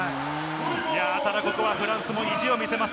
ただここはフランスも意地を見せます。